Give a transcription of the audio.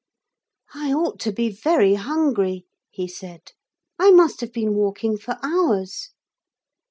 'I ought to be very hungry,' he said; 'I must have been walking for hours.'